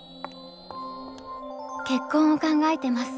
結婚を考えてます。